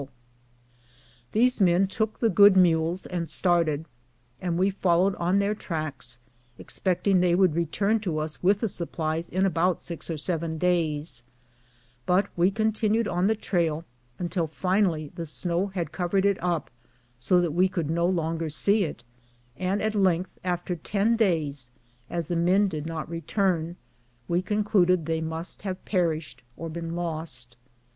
THE RELIEF. 243 These men took the good mules and started, and we fol lowed on their tracks, expecting they would return to us with the supplies in about six or seven days ; but we con tinued on the trail, until finally the snow had covered it up, so that we could no longer see it, and at length, after ten days, as the men did not return, we concluded they must have perished or been lost.